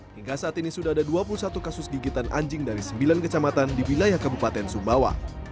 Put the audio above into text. hingga saat ini sudah ada dua puluh satu kasus gigitan anjing dari sembilan kecamatan di wilayah kabupaten sumbawa